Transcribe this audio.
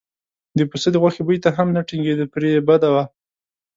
د پسه د غوښې بوی ته هم نه ټینګېده پرې یې بده وه.